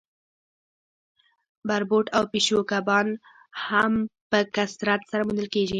بربوټ او پیشو کبان هم په کثرت سره موندل کیږي